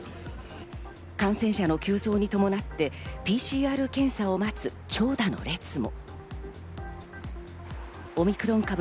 感染者の急増に伴ってＰＣＲ検査を待つ長蛇の列も。